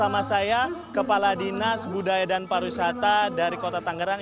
bersama saya kepala dinas budaya dan pariwisata dari kota tangerang